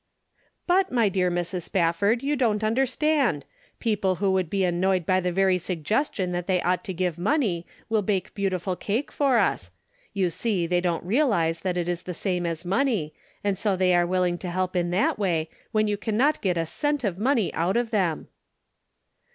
But, my dear Mrs. Spafford, you don't un derstand. People who would be annoyed by the very suggestion that they ought to give money will bake beautiful cake for us ; you see they don't realize that it is the same as money, and so they are willing to help in that way, when you cannot get a cent of money out of them."